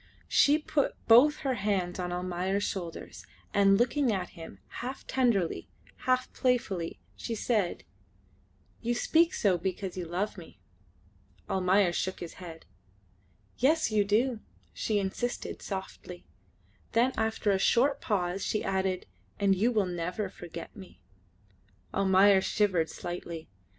She put both her hands on Almayer's shoulders, and looking at him half tenderly, half playfully, she said "You speak so because you love me." Almayer shook his head. "Yes, you do," she insisted softly; then after a short pause she added, "and you will never forget me." Almayer shivered slightly.